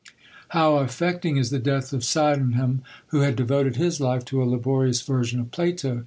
How affecting is the death of Sydenham, who had devoted his life to a laborious version of Plato!